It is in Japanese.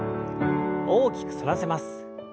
大きく反らせます。